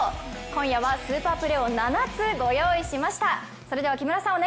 今夜はスーパープレーを７つご用意しました。